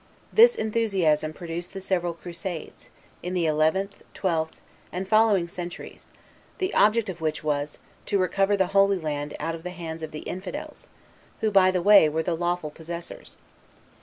This enthusiasm produced the several crusades, in the 11th, 12th, and following centuries, the object of which was, to recover the Holy Land out of, the hands of the Infidels, who, by the way, were the lawful possessors.